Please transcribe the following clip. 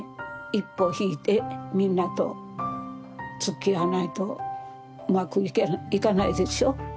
一歩引いてみんなとつきあわないとうまくいかないでしょ。